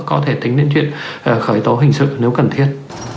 có thể tính đến chuyện khởi tố hình sự nếu cần thiết